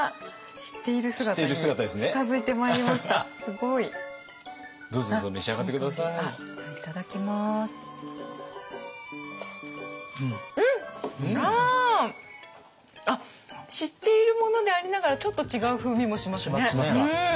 知っているものでありながらちょっと違う風味もしますね。